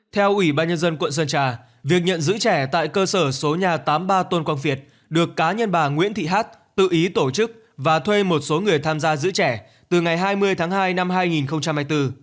theo ủy ban nhân dân quận sơn trà việc nhận giữ trẻ tại cơ sở số nhà tám mươi ba tôn quang việt được cá nhân bà nguyễn thị hát tự ý tổ chức và thuê một số người tham gia giữ trẻ từ ngày hai mươi tháng hai năm hai nghìn hai mươi bốn